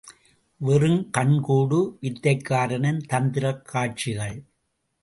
வெறும் கண்கட்டு வித்தைக்காரனின் தந்திரக் காட்சிகள்!